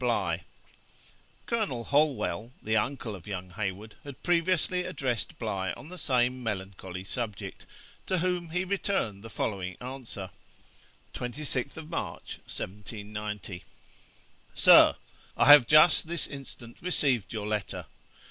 BLIGH.' Colonel Holwell, the uncle of young Heywood, had previously addressed Bligh on the same melancholy subject, to whom he returned the following answer: '26th March, 1790. 'SIR, I have just this instant received your letter.